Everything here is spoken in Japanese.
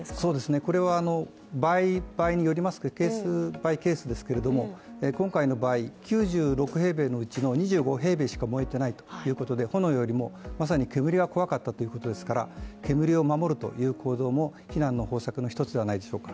これはあの場合によりますが、ケースバイケースですけれども今回の場合、９６平米のうちの２５平米しか持ってないということでよりも、まさに煙は怖かったということですから、煙を守るという行動も避難の方策の一つではないでしょうか？